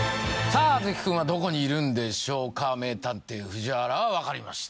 あずき君はどこにいるんでしょうか名探偵・藤原は分かりました